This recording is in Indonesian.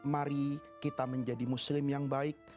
mari kita menjadi muslim yang baik